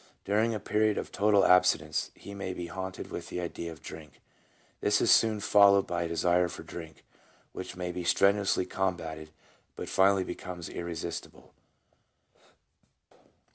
During a period of total abstinence he may be haunted with the idea of drink ; this is soon followed by a desire for drink, which may be strenuously combatted, but finally becomes irresistible.